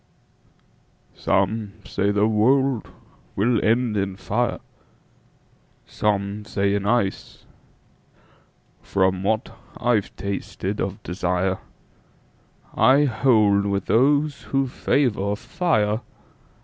SOME say the world will end in fire, Some say in ice. From what I've tasted of desireI hold with those who favor fire.